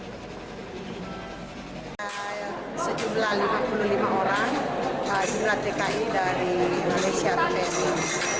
sejumlah lima puluh lima orang diberi tki dari malaysia